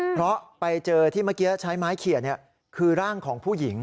เพราะไปเจอที่เมื่อกี้ใช้ไม้เขียนคือร่างของผู้หญิง